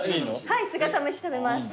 はい姿蒸し食べます。